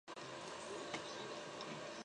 长颈部可使鱼群较慢发现到薄板龙。